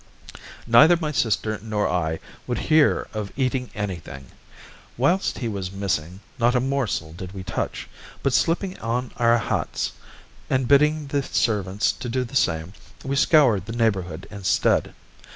"Neither my sister nor I would hear of eating anything. Whilst he was missing, not a morsel did we touch, but slipping on our hats, and bidding the servants do the same, we scoured the neighbourhood instead.